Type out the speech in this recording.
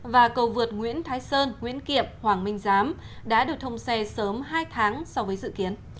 và cầu vượt nguyễn thái sơn nguyễn kiệm hoàng minh giám đã được thông xe sớm hai tháng so với dự kiến